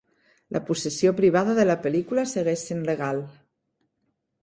La possessió privada de la pel·lícula segueix sent legal.